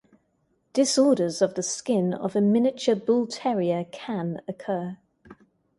Disorders of the skin of a Miniature Bull Terrier can occur.